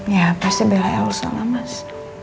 ya pasti belah elsa lah mas